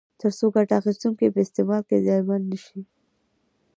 ترڅو ګټه اخیستونکي په استعمال کې زیانمن نه شي.